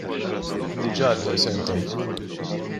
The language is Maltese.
Diġà għaddew sentejn.